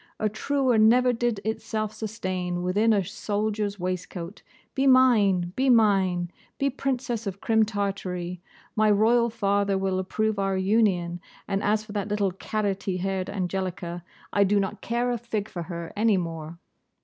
A truer never did itself sustain within a soldier's waistcoat. Be mine! Be mine! Be Princess of Crim Tartary! My Royal father will approve our union; and, as for that little carroty haired Angelica, I do not care a fig for her any more.